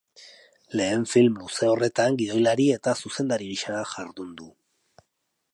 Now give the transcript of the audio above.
Lehen film luze horretan gidoilari eta zuzendari gisa jardun du.